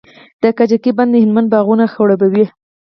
د کجکي بند د هلمند باغونه خړوبوي.